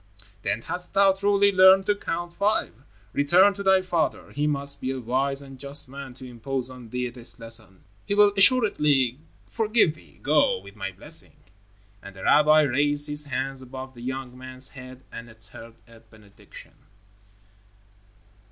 "Then hast thou truly learned to Count Five. Return to thy father. He must be a wise and just man to impose on thee this lesson. He will assuredly forgive thee. Go, with my blessing," and the rabbi raised his hands above the young man's head and uttered a benediction.